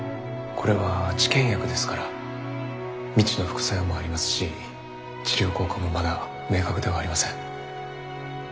これは治験薬ですから未知の副作用もありますし治療効果もまだ明確ではありません。